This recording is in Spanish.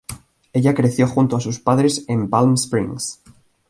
Ella creció junto a sus padres en Palm Springs.